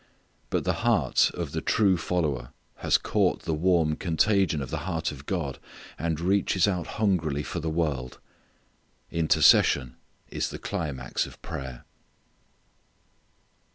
But the heart of the true follower has caught the warm contagion of the heart of God and reaches out hungrily for the world. Intercession is the climax of prayer.